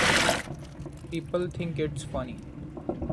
People think it's funny.